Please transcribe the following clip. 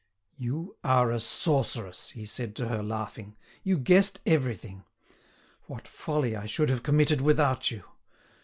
"You are a sorceress," he said to her laughing. "You guessed everything. What folly I should have committed without you!